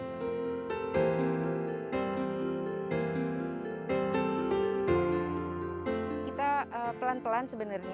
kondisi masyarakat yang kurang peduli akan pencemaran sampah plastik di sungai